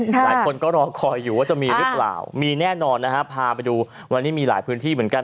หลายคนก็รอคอยอยู่ว่าจะมีหรือเปล่ามีแน่นอนนะฮะพาไปดูวันนี้มีหลายพื้นที่เหมือนกัน